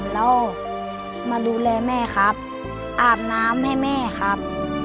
เรามาดูแลแม่ครับอาบน้ำให้แม่ครับ